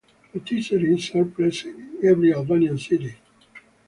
Patisseries are present in every Albanian city.